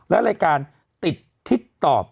และรายการติดทิศตอบ